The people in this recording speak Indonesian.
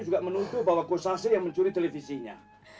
juga menutup bahwa gosasi yang mencuri televisinya